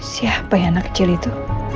siapa yang anak kecil itu